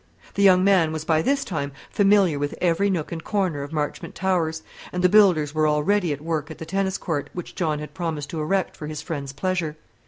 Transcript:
The young man was by this time familiar with every nook and corner of Marchmont Towers; and the builders were already at work at the tennis court which John had promised to erect for his friend's pleasure.